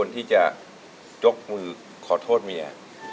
ที่จะยกมือขอโทษเมีย